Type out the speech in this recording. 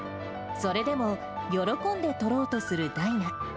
それでも、喜んで取ろうとするダイナ。